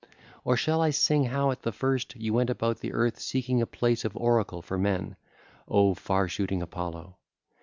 Or shall I sing how at the first you went about the earth seeking a place of oracle for men, O far shooting Apollo?